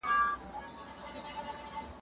خلګو ته د لیک لوست اسانتیاوې څنګه برابرې سوي؟